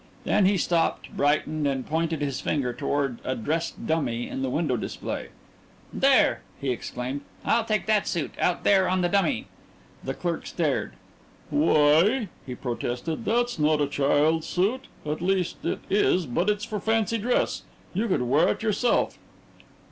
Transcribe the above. Then he stopped, brightened, and pointed his finger toward a dressed dummy in the window display. "There!" he exclaimed. "I'll take that suit, out there on the dummy." The clerk stared. "Why," he protested, "that's not a child's suit. At least it is, but it's for fancy dress. You could wear it yourself!"